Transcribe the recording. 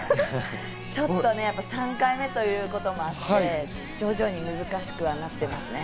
ちょっとね、３回目ということもあって徐々に難しくはなってますね。